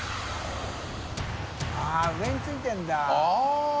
△上についてるんだ。